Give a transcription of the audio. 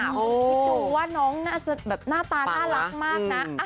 คิดดูว่าน้องน่าจะแบบหน้าตาน่ารักมากนะ